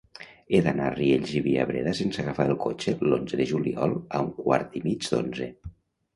He d'anar a Riells i Viabrea sense agafar el cotxe l'onze de juliol a un quart i mig d'onze.